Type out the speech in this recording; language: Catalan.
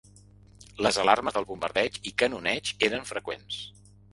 Les alarmes de bombardeig i canoneig eren freqüents